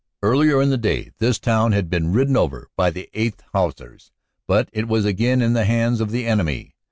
Earlier in the day this town had been ridden over by the 8th. Hussars, but it was again in the hands of the enemy.